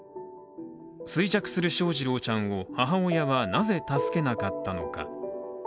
衰弱する翔士郎ちゃんを、母親はなぜ、助けなかったのか。